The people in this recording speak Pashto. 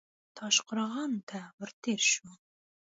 تاشقرغان ته ور تېر شو.